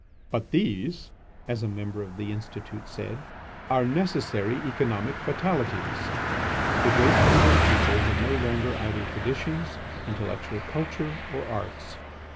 "But these," as a member of the Institute said, "are necessary economic fatalities." The great Penguin people had no longer either traditions, intellectual culture, or arts.